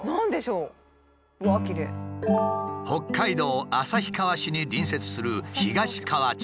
北海道旭川市に隣接する東川町。